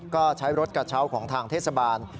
ก็ใช้รถกระเช้าของทางเทศบาล